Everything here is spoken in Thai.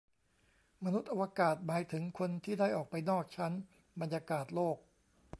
มนุษย์อวกาศ หมายถึงคนที่ได้ออกไปนอกชั้นบรรยากาศโลก